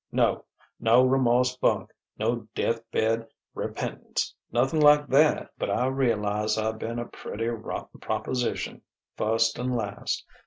No: no remorse bunk, no deathbed repentance, nothing like that! But I realize I've been a pretty rotten proposition, first and last.